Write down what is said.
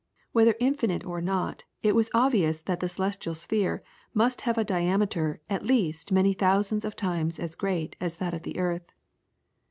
Whether infinite or not, it was obvious that the celestial sphere must have a diameter at least many thousands of times as great as that of the earth.